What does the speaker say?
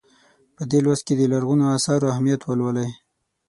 په دې لوست کې د لرغونو اثارو اهمیت ولولئ.